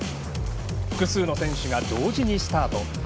複数の選手が同時にスタート。